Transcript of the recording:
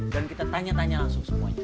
dan kita tanya tanya langsung semuanya